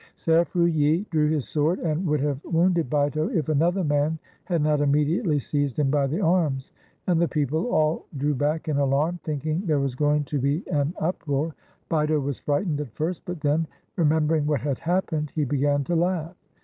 Ser FruUi drew his sword and would have wounded Bito if another man had not immediately seized him by the arms; and the people all drew back in alarm, thinking there was going to be an uproar. Bito was frightened at first, but then, remembering what had happened, he began to laugh.